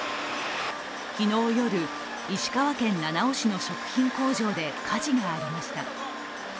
昨日夜、石川県七尾市の食品工場で火事がありました。